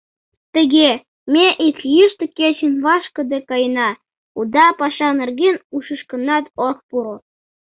Тыге, ме ик йӱштӧ кечын вашкыде каена, уда паша нерген ушышкынат ок пуро.